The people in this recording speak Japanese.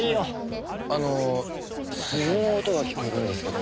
あの鈴の音が聞こえるんですけど。